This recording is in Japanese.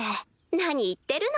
何言ってるの。